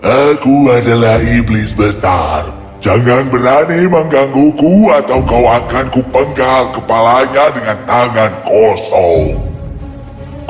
aku adalah iblis besar jangan berani menggangguku atau kau akan kupenggal kepalanya dengan tangan kosong